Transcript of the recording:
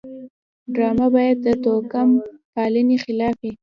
ډرامه باید د توکم پالنې خلاف وي